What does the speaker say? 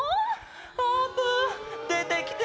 あーぷんでてきて。